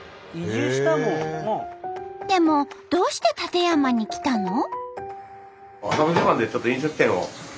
でもどうして館山に来たの？